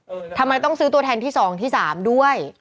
ทำไมต้องซื้อตัวแทนที่สองที่สามด้วย